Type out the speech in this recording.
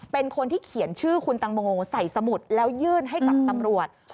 เป็นคนที่เขียนชื่อคุณตังโมใส่สมุดแล้วยื่นให้กับตำรวจ